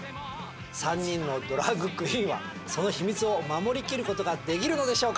３人のドラァグクイーンはその秘密を守りきる事ができるのでしょうか？